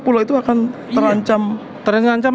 pulau itu akan terancam